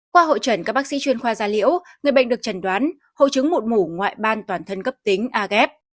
qua hội trần các bác sĩ chuyên khoa da liễu người bệnh được trần đoán hội chứng mụn mủ ngoại ban toàn thân gấp tính agf